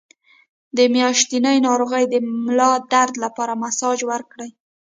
د میاشتنۍ ناروغۍ د ملا درد لپاره مساج وکړئ